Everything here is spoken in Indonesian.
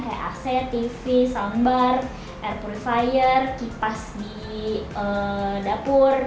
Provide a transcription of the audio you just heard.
kayak ac tv soundbar air purifier kipas di dapur